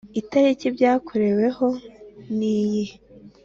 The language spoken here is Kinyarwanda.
itariki byakore weho niyi